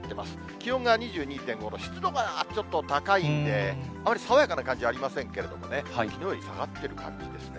気温が２２．５度、湿度がちょっと高いんで、あまり爽やかな感じありませんけどね、きのうより下がってる感じですね。